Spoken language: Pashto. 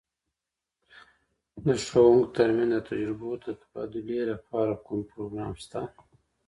د ښوونکو ترمنځ د تجربو د تبادلې لپاره کوم پروګرام سته؟